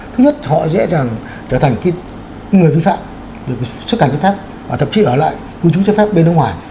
thứ nhất họ dễ dàng trở thành người vi phạm được xuất cảnh chấp pháp và thậm chí ở lại cư trú chấp pháp bên nước ngoài